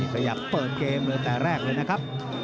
ขยับเปิดเกมเลยแต่แรกเลยนะครับ